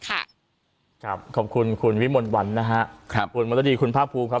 ครับขอบคุณคุณวิมลวันนะฮะครับคุณมรดีคุณภาคภูมิครับ